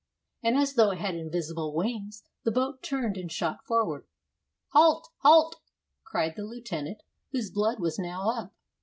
And as though it had invisible wings, the boat turned and shot forward. "Halt! halt!" cried the lieutenant, whose blood was now up.